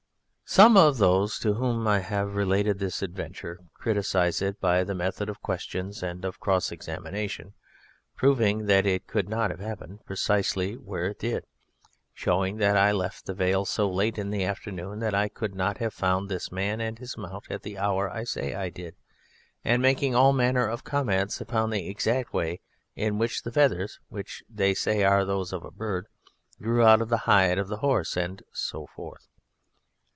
Some of those to whom I have related this adventure criticise it by the method of questions and of cross examination proving that it could not have happened precisely where it did; showing that I left the vale so late in the afternoon that I could not have found this man and his mount at the hour I say I did, and making all manner of comments upon the exact way in which the feathers (which they say are those of a bird) grew out of the hide of the horse, and so forth.